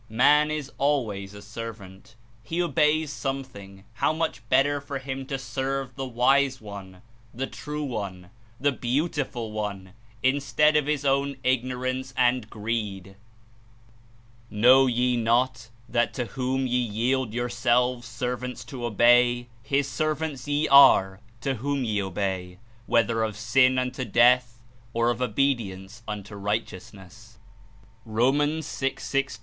Man Is al ways a servant; he obeys something; how much bet ter for him to serve the Wise One, the True One, the Beautiful One, Instead of his own Ignorance and greed ! ''Know ye not that to whom ye yield your selves servants to obey, his servants ye are to whom ye obey, whether of sin unto death, or of obedience unto righteousness? (Ro. 6.16.)